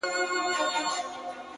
نن ملا په خوله کي بيا ساتلی گاز دی!!